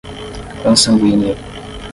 consanguíneo